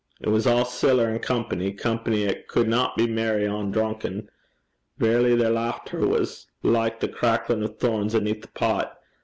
It was a' siller an' company company 'at cudna be merry ohn drunken. Verity their lauchter was like the cracklin' o' thorns aneath a pot.